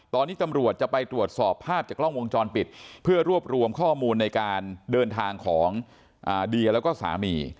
ตอนนี้ตำรวจจะไปตรวจสอบภาพจากกล้องวงจรปิดเพื่อรวบรวมข้อมูลในการเดินทางของเดียแล้วก็สามี